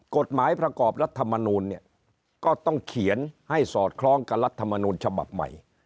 กฎหมายประกอบรัฐมนูลเนี่ยก็ต้องเขียนให้สอดคล้องกับรัฐมนูลฉบับใหม่